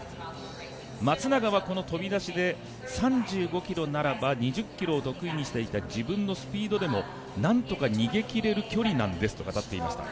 松永はこの飛び出しで３５ｋｍならば２０ｋｍを得意にしていた自分のスピードでもなんとか逃げ切れる距離なんですと語っていました。